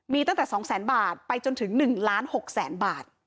มีตั้งแต่๒๐๐๐๐บาทไปจนถึง๑ล้าน๖แสนบาท